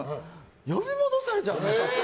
呼び戻されちゃうの、私。